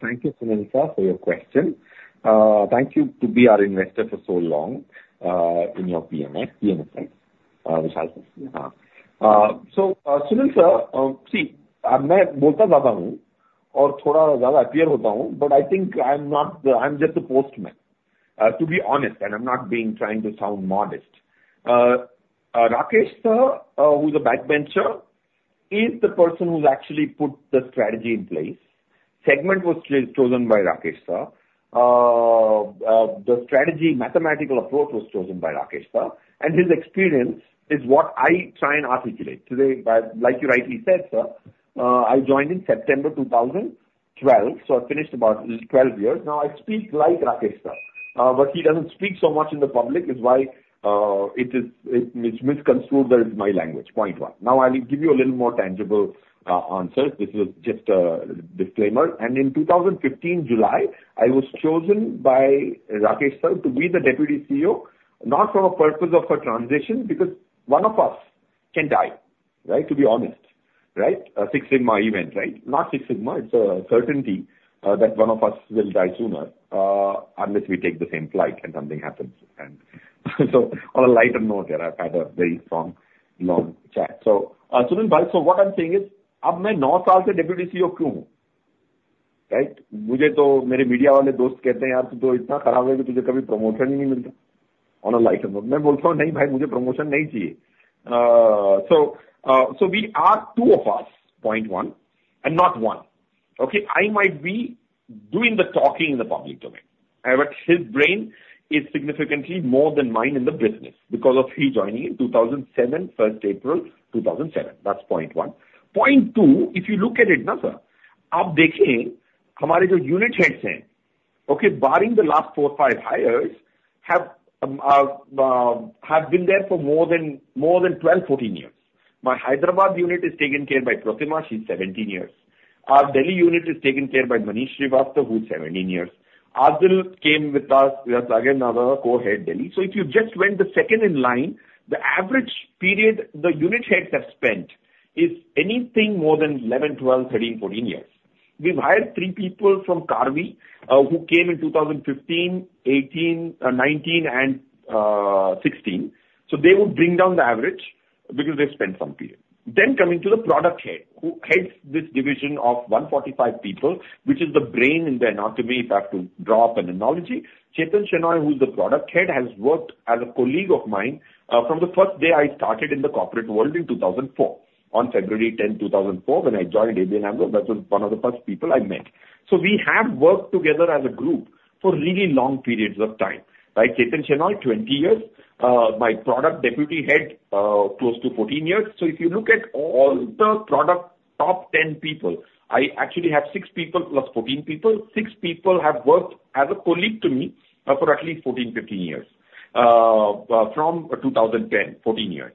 Thank you, Sunil sir, for your question. Thank you to be our investor for so long, in your PMS, PNFI, Vishal. So, Sunil sir, see, but I think I'm not. I'm just a postman, to be honest, and I'm not trying to sound modest. Rakesh sir, who's a backbencher, is the person who's actually put the strategy in place. Segment was chosen by Rakesh sir. The strategy mathematical approach was chosen by Rakesh sir, and his experience is what I try and articulate. Today, like you rightly said, sir, I joined in September 2012, so I finished about 12 years. Now, I speak like Rakesh sir, but he doesn't speak so much in the public is why, it's misconstrued that it's my language. Point one. Now, I will give you a little more tangible answer. This is just a disclaimer. In 2015 July, I was chosen by Rakesh Sir to be the Deputy CEO, not for a purpose of a transition, because one of us can die, right? To be honest, right? A Six Sigma event, right? Not Six Sigma, it's a certainty that one of us will die sooner unless we take the same flight and something happens. So on a lighter note here, I've had a very strong long chat. So, Sunil bhai, so what I'm saying is, right? On a lighter note. So, so we are two of us, point one, and not one. Okay? I might be doing the talking in the public domain, but his brain is significantly more than mine in the business because of he joining in 2007, 1st April 2007. That's point one. Point two, if you look at it now, sir, up the chain, how many unit heads in, okay, barring the last four, five hires, have been there for more than 12, 14 years. My Hyderabad unit is taken care of by Pratima, she's 17 years. Our Delhi unit is taken care of by Manish Srivastava, who's 17 years. Adil came with us, we are again now co-head Delhi. So if you just went the second in line, the average period the unit heads have spent is anything more than 11, 12, 13, 14 years. We've hired three people from Karvy, who came in 2015, 2018, 2019, and, 2016. So they would bring down the average because they've spent some period. Then coming to the product head, who heads this division of 145 people, which is the brain in the anatomy, if I have to draw up an analogy. Chetan Shenoy, who is the product head, has worked as a colleague of mine, from the first day I started in the corporate world in 2004. On February 10, 2004, when I joined ABN AMRO, that was one of the first people I met. So we have worked together as a group for really long periods of time. Like Chetan Shenoy, 20 years, my product deputy head, close to 14 years. So if you look at all the product top 10 people, I actually have six people + 14 people. Six people have worked as a colleague to me for at least 14, 15 years from 2010, 14 years,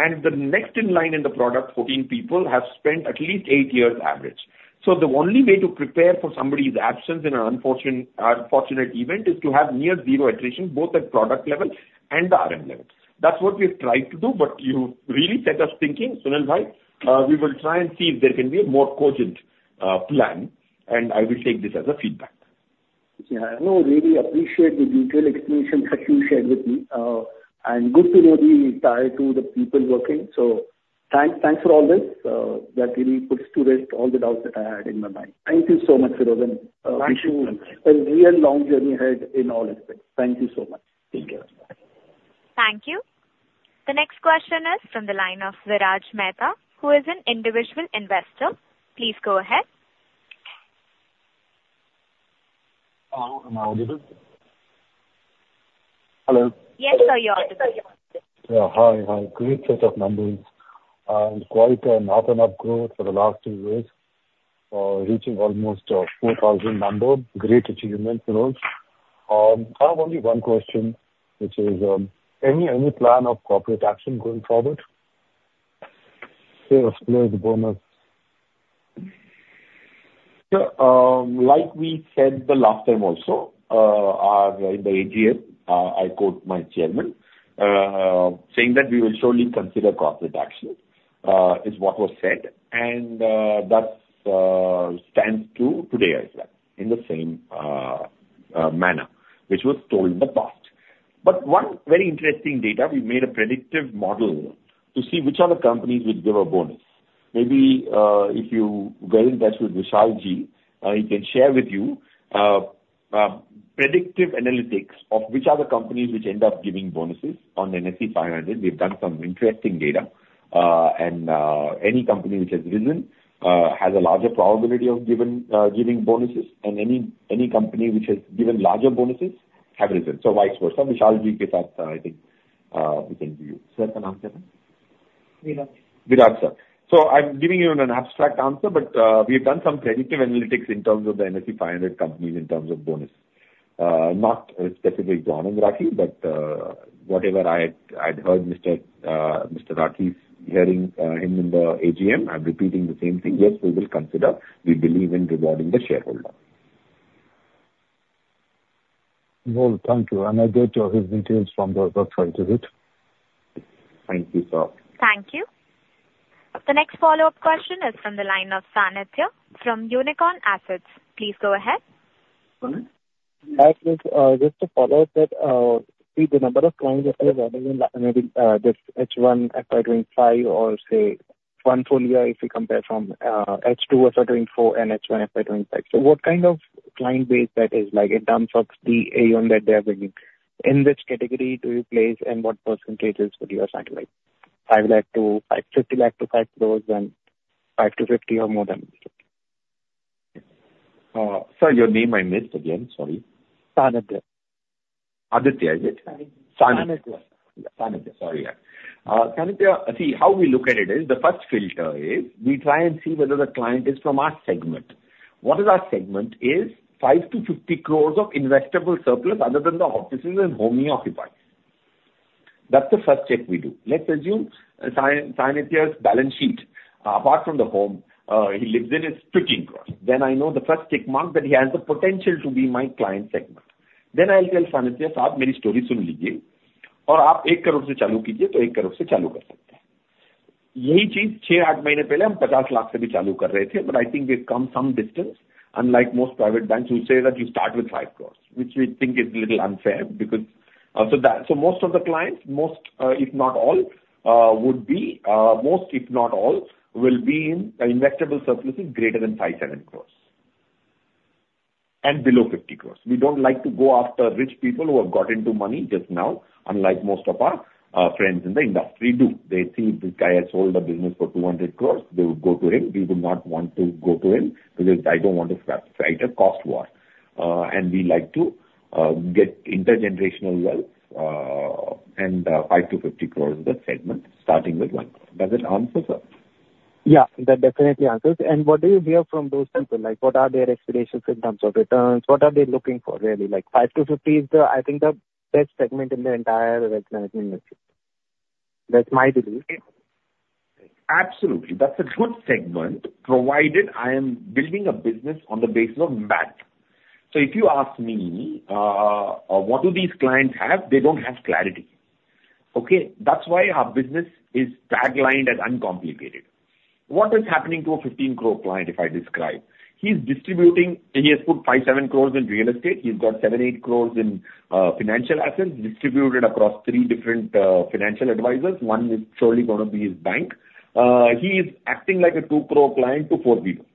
and the next in line in the product, 14 people, have spent at least eight years average, so the only way to prepare for somebody's absence in an unfortunate, unfortunate event is to have near zero attrition both at product level and the RM level. That's what we've tried to do, but you really set us thinking, Sunil bhai. We will try and see if there can be a more cogent plan, and I will take this as a feedback. Yeah, I know, really appreciate the detailed explanation that you shared with me. And good to know the tie to the people working. So thanks for all this. That really puts to rest all the doubts that I had in my mind. Thank you so much, Feroze. Thank you. Wish you a real long journey ahead in all aspects. Thank you so much. Take care. Thank you. The next question is from the line of Viraj Mehta, who is an individual investor. Please go ahead. Hello, am I audible? Hello? Yes, sir, you're audible. Yeah, hi, hi. Great set of numbers, and quite a notable growth for the last two years, reaching almost a 4,000 number. Great achievement for those. I have only one question, which is, any plan of corporate action going forward? Say, the bonus. So, like we said the last time also, in the AGM, I quote my chairman saying that we will surely consider corporate action, is what was said. And that stands true today as well, in the same manner which was told in the past. But one very interesting data, we made a predictive model to see which other companies would give a bonus. Maybe, if you go invest with Vishal Ji, he can share with you predictive analytics of which other companies end up giving bonuses on NSE 500. We've done some interesting data, and any company which has risen has a larger probability of giving bonuses, and any company which has given larger bonuses have risen, so vice versa. Vishal Ji, get up. I think we can do. Is that an answer?... Viraj sir, so I'm giving you an abstract answer, but we've done some predictive analytics in terms of the NSE 500 companies in terms of bonus. Not a specific Anand Rathi, but whatever I had heard Mr. Rawal saying in the AGM, I'm repeating the same thing. Yes, we will consider. We believe in rewarding the shareholder. Thank you. I'll get your details from the website, is it? Thank you, sir. Thank you. The next follow-up question is from the line of Sanidhya from Unicorn Assets. Please go ahead. Hi, please, just to follow up that, the number of clients that is other than maybe, this H1, FY 2025 or say one full year, if you compare from, H2, FY2024 and H1, FY 2025. So what kind of client base that is like in terms of the AUM that they are bringing? In which category do you place and what %s would you assign to, like, 5 lakh - 550 lakh to 5 crores and 5-50 or more than 50? Sir, your name I missed again. Sorry. Sanitya. Aditya, is it? Sanidhya. Sanidhya. Sorry, yeah. Sanidhya, see, how we look at it is the first filter is we try and see whether the client is from our segment. What is our segment is 5-50 crores of investable surplus other than the offices and home he occupies. That's the first check we do. Let's assume Sanidhya's balance sheet, apart from the home he lives in is INR 15 crores. Then I know the first tick mark that he has the potential to be my client segment. Then I will tell Sanidhya, "Saab meri story sun lijiye. Aur aap ek crore se chalu kijiye to ek crore se chalu kar sakte hai. Yahi cheez aath mahine pehle hum pachas lakh se bhi chalu kar rahe the," but I think we've come some distance. Unlike most private banks who say that you start with five crores, which we think is a little unfair because so most of the clients, most if not all, will be in investable surpluses greater than 5-7 crores and below 50 crores. We don't like to go after rich people who have got into money just now, unlike most of our friends in the industry do. They think this guy has sold a business forINR 200 crores. They will go to him. We would not want to go to him because I don't want to fight a cost war, and we like to get intergenerational wealth, and 5-50 crores is the segment, starting with 1 crore. Does it answer, sir? Yeah, that definitely answers. And what do you hear from those people? Like, what are their expectations in terms of returns? What are they looking for really? Like, 5-50 is the, I think, the best segment in the entire wealth management industry. That's my belief. Absolutely. That's a good segment, provided I am building a business on the basis of math. So if you ask me, what do these clients have? They don't have clarity. Okay? That's why our business is taglined as uncomplicated. What is happening to a 15 crore client, if I describe? He's distributing. He has put 5-7 crores in real estate. He's got 7-8 crores in financial assets distributed across three different financial advisors. One is surely gonna be his bank. He is acting like a 2 crore client to four people,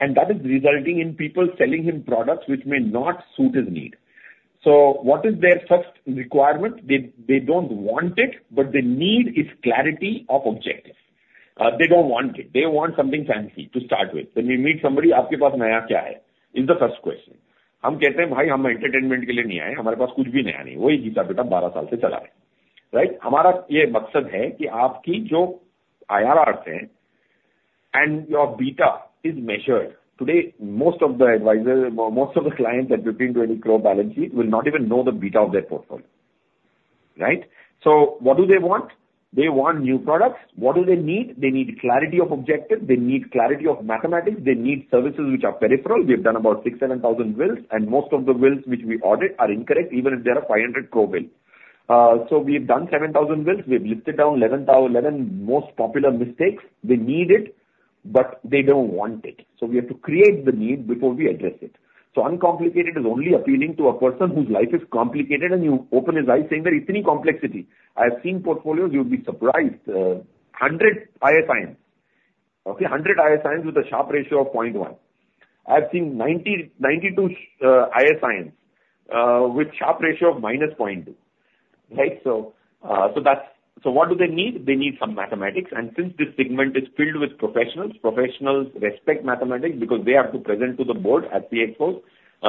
and that is resulting in people selling him products which may not suit his need. So what is their first requirement? They, they don't want it, but the need is clarity of objective. They don't want it. They want something fancy to start with. When we meet somebody, "Aapke paas naya kya hai?" is the first question. Hum kehte hain, "Bhai, hum entertainment ke liye nahi aaye hain. Hamare paas kuch bhi naya nahi hai. Wahi ghisapita, baarah saal se chala rahe hain." Right? Hamara yeh maqsad hai ki aapki jo IRRs hain, and your beta is measured. Today, most of the advisors or most of the clients that between 20 crore balance sheet will not even know the beta of their portfolio, right? So what do they want? They want new products. What do they need? They need clarity of objective. They need clarity of mathematics. They need services which are peripheral. We've done about 6,000, 7,000 wills, and most of the wills which we audit are incorrect, even if they are a 500 crore will. So we've done 7,000wills. We've listed down eleven most popular mistakes. They need it, but they don't want it. So we have to create the need before we address it. So uncomplicated is only appealing to a person whose life is complicated, and you open his eyes saying, "There is itni complexity." I have seen portfolios, you'd be surprised, hundred ISIN. Okay, hundred ISIN with a Sharpe ratio of point one. I've seen ninety, ninety-two ISIN with Sharpe ratio of minus point two. Right? So that's... So what do they need? They need some mathematics, and since this segment is filled with professionals, professionals respect mathematics because they have to present to the board at CXO.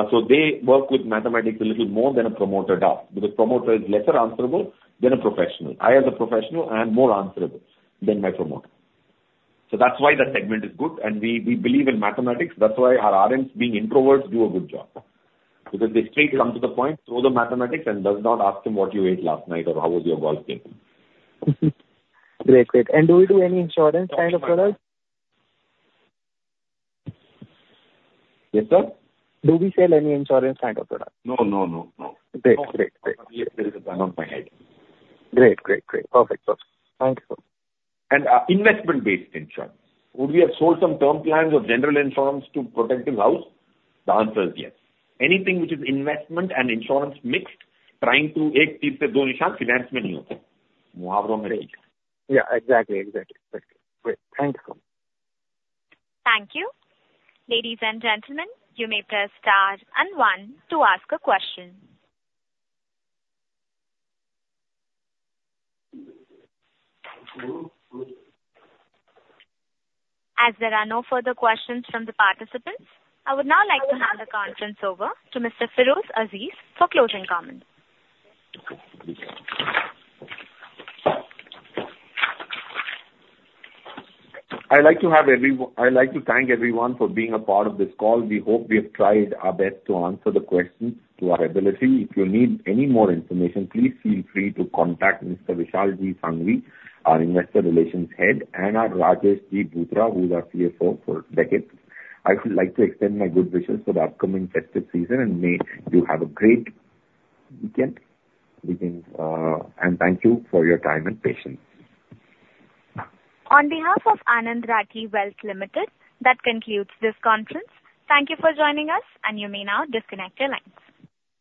So they work with mathematics a little more than a promoter does, because promoter is lesser answerable than a professional. I, as a professional, am more answerable than my promoter. So that's why the segment is good, and we believe in mathematics. That's why our RMs, being introverts, do a good job, because they straight come to the point, show the mathematics, and does not ask him what you ate last night or how was your golf game? Great, great. And do we do any insurance kind of products? Yes, sir? Do we sell any insurance kind of products? No, no, no, no. Great, great, great. Not my head. Great, great, great. Perfect. Thank you, sir. And, investment-based insurance. Would we have sold some term plans or general insurance to protect the house? The answer is yes. Anything which is investment and insurance mixed, trying to ek cheez se do nishan, finance mein nahi hota. Muhavron mein rehta hai. Yeah, exactly, exactly. That's great. Thank you, sir. Thank you. Ladies and gentlemen, you may press star and one to ask a question. As there are no further questions from the participants, I would now like to hand the conference over to Mr. Feroze Azeez for closing comments. I'd like to thank everyone for being a part of this call. We hope we have tried our best to answer the questions to our ability. If you need any more information, please feel free to contact Mr. Vishal Sanghavi, our Investor Relations head, and our Rajesh Bhutara, who is our CFO for decades. I would like to extend my good wishes for the upcoming festive season, and may you have a great weekend, and thank you for your time and patience. On behalf of Anand Rathi Wealth Limited, that concludes this conference. Thank you for joining us, and you may now disconnect your lines.